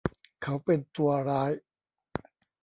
เขาเป็นตัวร้าย